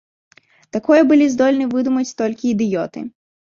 Такое былі здольны выдумаць толькі ідыёты.